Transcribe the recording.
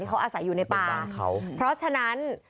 ที่เขาอาศัยอยู่ในปลาเพราะฉะนั้น